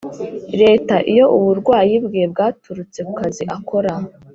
Leta iyo uburwayi bwe bwaturutse ku kazi akora